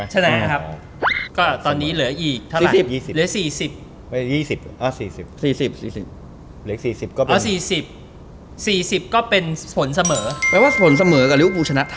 ชนะนะครับตอนนี้เหลืออีกเท่าไหร่๔๐